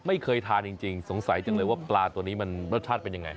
ไม่เคยทานจริงสงสัยจังเลยว่าปลาตัวนี้มันรสชาติเป็นยังไง